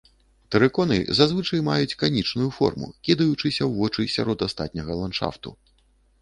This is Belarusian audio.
Тэрыконы зазвычай маюць канічную форму, кідаючыся ў вочы сярод астатняга ландшафту.